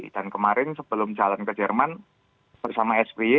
dan kemarin sebelum jalan ke jerman bersama spy